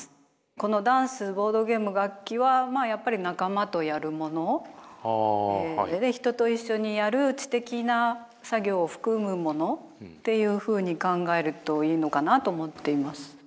このダンスボードゲーム楽器はまあやっぱり仲間とやるもので人と一緒にやる知的な作業を含むものっていうふうに考えるといいのかなと思っています。